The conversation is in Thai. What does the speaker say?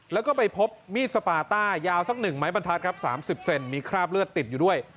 แล้วก็ไปพบมีดสปาต้ายาวสัก๑ไม้บรรทัศน์ครับ๓๐เซนมีคราบเลือดติดอยู่ด้วย